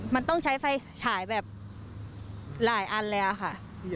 มันต้องใช้ไฟฉายแบบหลายอันเลยอะค่ะ